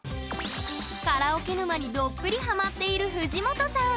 「カラオケ沼」にどっぷりハマっている藤本さん！